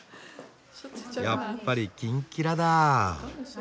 やっぱり金キラだ。